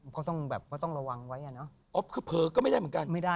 ก็ต้องระวังไว้อะเนาะ